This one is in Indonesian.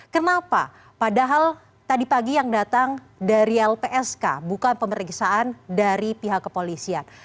kenapa padahal tadi pagi yang datang dari lpsk bukan pemeriksaan dari pihak kepolisian